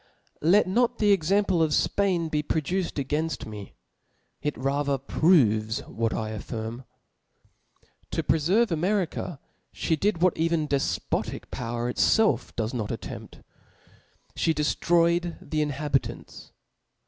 LE T not the example of Spain be produced againft me \ it rather proves what I afBrm, To preferve America Ihe did what even defpotic power itfelf does not attempt, fhe deftroyed the inhabitants.